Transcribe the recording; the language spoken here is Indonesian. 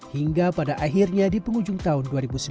hingga pada akhirnya di penghujung tahun dua ribu sembilan belas